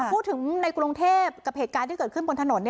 พูดถึงในกรุงเทพกับเหตุการณ์ที่เกิดขึ้นบนถนน